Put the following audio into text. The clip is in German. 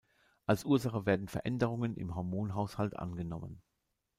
Als Ursache werden Veränderungen im Hormonhaushalt angenommen.